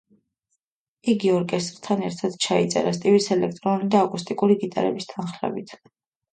იგი ორკესტრთან ერთად ჩაიწერა, სტივის ელექტრონული და აკუსტიკური გიტარების თანხლებით.